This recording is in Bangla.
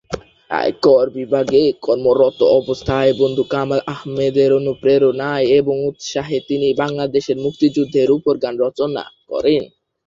আয়কর বিভাগে কর্মরত অবস্থায় বন্ধু কামাল আহমেদের অনুপ্রেরণায় এবং উৎসাহে তিনি বাংলাদেশের মুক্তিযুদ্ধের উপর গান রচনা করেন।